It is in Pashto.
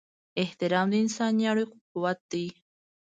احترام د انساني اړیکو قوت دی.